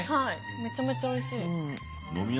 めちゃめちゃおいしい。